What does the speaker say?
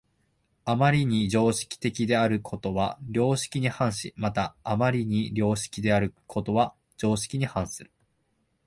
余りに常識的であることは良識に反し、また余りに良識的であることは常識に反する。